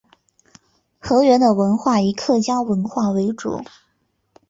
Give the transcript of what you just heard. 河源的文化以客家文化为主。